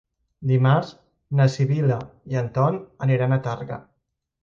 Dimarts na Sibil·la i en Ton aniran a Tàrrega.